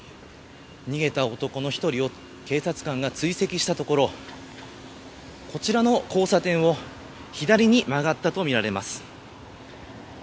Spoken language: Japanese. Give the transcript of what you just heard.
逃げた男の１人を警察官が追跡したところこちらの交差点を左に曲がったとみられます。